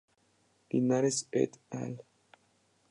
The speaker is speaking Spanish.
Linares et al.